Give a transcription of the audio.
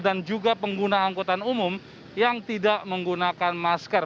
dan juga pengguna angkutan umum yang tidak menggunakan masker